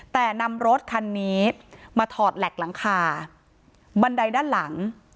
แต่นำรถคันนี้มาถอดแหลกหลังคาบันไดด้านหลัง